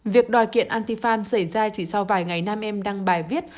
việc đòi kiện antifan xảy ra chỉ sau vài ngày nam em đăng bài viết